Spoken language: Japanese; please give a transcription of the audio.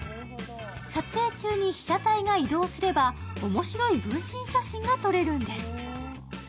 撮影中に被写体が移動すれば、面白い分身写真が撮れるんです。